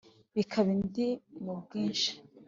bikaba indira mu bwinshi